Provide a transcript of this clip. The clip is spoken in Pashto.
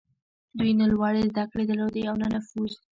دوی نه لوړې زدهکړې درلودې او نه نفوذ.